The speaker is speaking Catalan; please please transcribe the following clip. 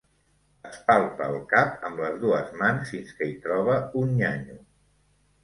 Es palpa el cap amb les dues mans fins que hi troba un nyanyo.